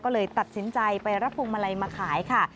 ก็เลยตัดสินใจไปรับพวงมาลัยมาขายค่ะ